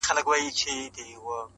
غلیمان د پایکوبونو به په ګور وي؛